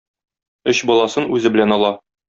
Өч баласын үзе белән ала.